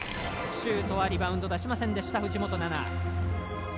シュートはリバウンド出しませんでした、藤本那菜。